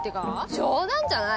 冗談じゃない！